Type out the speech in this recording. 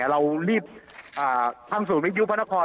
เรารีบท่างศูนย์มิจยุทธคร